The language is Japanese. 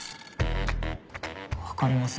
わかりません。